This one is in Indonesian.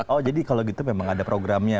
oh jadi kalau gitu memang ada programnya